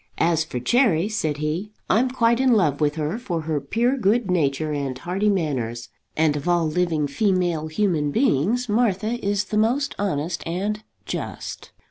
"As for Cherry," said he "I'm quite in love with her for her pure good nature and hearty manners; and of all living female human beings Martha is the most honest and just."